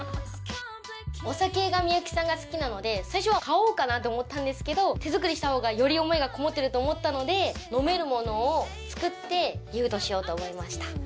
お酒が幸さんが好きなので最初は買おうかなって思ったんですけど手作りした方がより思いがこもってると思ったので飲めるものを作ってギフトしようと思いました。